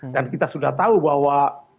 dan kita sudah tahu bahwa